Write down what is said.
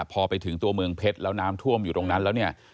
พอไปถึงตัวเมืองเพชรแล้วน้ำท่วมอยู่ตรงนั้นแล้วเนี่ย